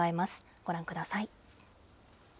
ご覧ください。